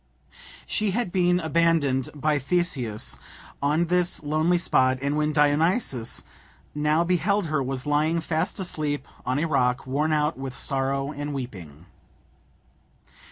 She had been abandoned by Theseus on this lonely spot, and, when Dionysus now beheld her, was lying fast asleep on a rock, worn out with sorrow and weeping.